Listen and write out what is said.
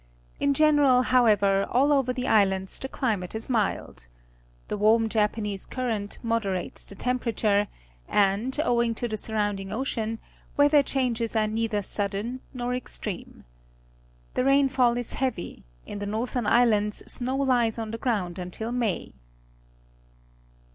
In general, however, all over the islands the climate is mild. The warm Japanese Current moderates the temperature, and, owing to the surrounding ocean, weather changes are neither sudden nor extreme. The rainfall is heavJ^ In the northern islands snow lies on the ground until May.